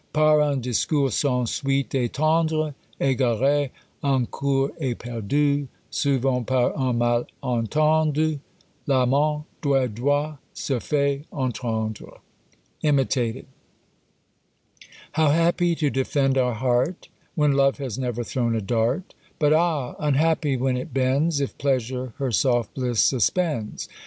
Par un discours sans suite et tendre, Egarez un coeur éperdu; Souvent par un mal entendu L'amant adroit se fait entendre. IMITATED. How happy to defend our heart, When Love has never thrown a dart! But ah! unhappy when it bends, If pleasure her soft bliss suspends!